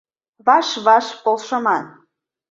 ВАШ-ВАШ ПОЛШЫМАН